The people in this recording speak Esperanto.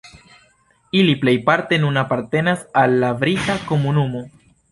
Ili plejparte nun apartenas al la Brita Komunumo.